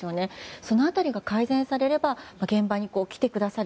その辺りが改善されれば現場に来てくださる。